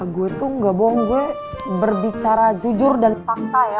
gue tuh ga bohong gue berbicara jujur dan fakta ya